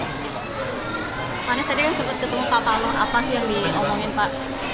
pak anies tadi kan sempat ketemu pak palu apa sih yang diomongin pak